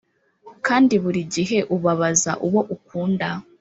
kandi burigihe ubabaza uwo ukunda.